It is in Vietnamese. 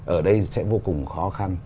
ở đây sẽ vô cùng khó khăn